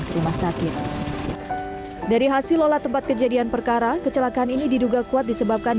ke rumah sakit dari hasil olah tempat kejadian perkara kecelakaan ini diduga kuat disebabkan